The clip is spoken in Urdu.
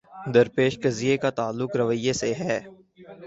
درپیش قضیے کا تعلق رویے سے ہے۔